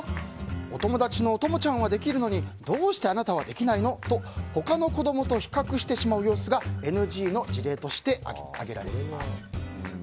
お友達のトモちゃんはできるのにどうしてあなたはできないの？と他の子供と比較してしまう様子がＮＧの事例として挙げられています。